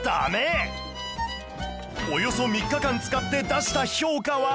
およそ３日間使って出した評価は？